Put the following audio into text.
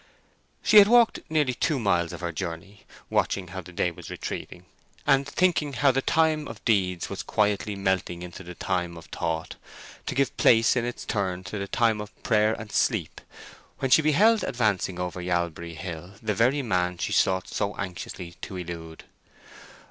She had walked nearly two miles of her journey, watching how the day was retreating, and thinking how the time of deeds was quietly melting into the time of thought, to give place in its turn to the time of prayer and sleep, when she beheld advancing over Yalbury hill the very man she sought so anxiously to elude.